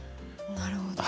なるほど。